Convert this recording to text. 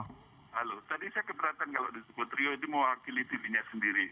halo tadi saya keberatan kalau disebut rio itu mewakili dirinya sendiri